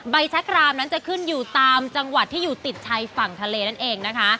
แชครามนั้นจะขึ้นอยู่ตามจังหวัดที่อยู่ติดชายฝั่งทะเลนั่นเองนะคะ